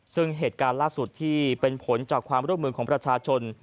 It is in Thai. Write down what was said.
ซึ่งเหตุการณ์ล่าสุดที่เป็นผลจากความร่วมมือของประชาชน